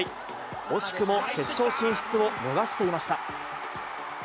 惜しくも決勝進出を逃していました。